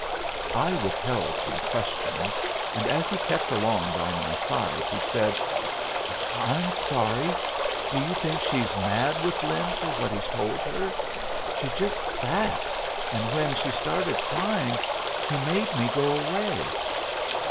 I withheld from questions, and as he kept along by my side he said: "I'm sorry. Do you think she's mad with Lin for what he's told her? She just sat, and when she started crying he made me go away."